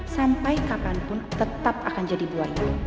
sampai kapanpun tetap akan jadi buaya